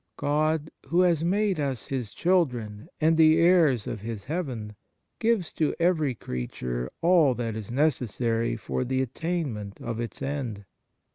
God, who has made us His children and the heirs of His heaven, gives to every creature all that is necessary for the attainment of its end.